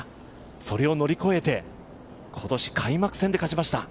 それを乗り越えて、今年開幕戦で勝ちました。